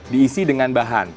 diisi dengan bahan